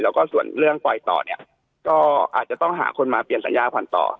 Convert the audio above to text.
แล้วก็ส่วนเรื่องปล่อยต่อเนี่ยก็อาจจะต้องหาคนมาเปลี่ยนสัญญาผ่านต่อ